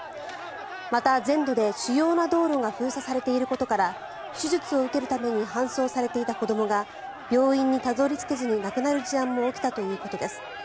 また、全土で主要な道路が封鎖されていることから手術を受けるために搬送されていた子どもが病院にたどり着けずに亡くなる事案も起きたということです。